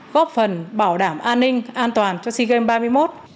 góp phần bảo đảm an ninh an toàn cho sea games ba mươi một